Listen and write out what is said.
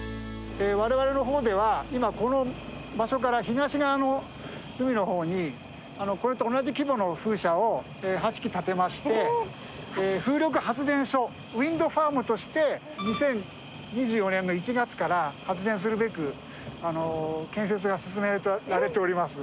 我々の方では今この場所から東側の海の方にこれと同じ規模の風車を８基建てまして風力発電所ウインドファームとして２０２４年の１月から発電するべく建設が進められております。